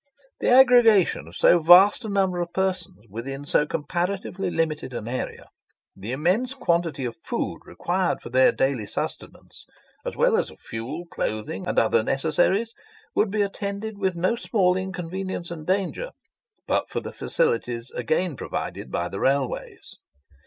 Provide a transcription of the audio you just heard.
The aggregation of so vast a number of persons within so comparatively limited an area—the immense quantity of food required for their daily sustenance, as well as of fuel, clothing, and other necessaries—would be attended with no small inconvenience and danger, but for the facilities again provided by the railways.